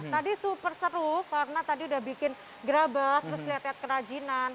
tadi super seru karena tadi udah bikin grabat terus liat liat kerajinan